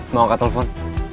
mau angkat telepon